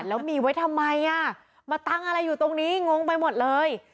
แล้วมีไว้ทำไมอ่ะมาตั้งอะไรอยู่ตรงนี้งงไปหมดเลย